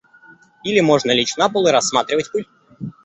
Или можно лечь на пол и рассматривать пыль.